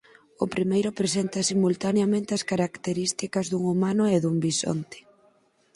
O primeiro presenta simultaneamente as características dun humano e dun bisonte.